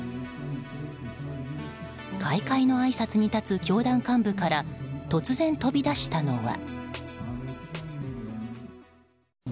開会のあいさつに立つ教団幹部から突然、飛び出したのは。